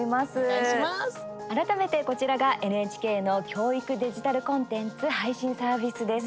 改めて、こちらがＮＨＫの教育デジタルコンテンツ配信サービスです。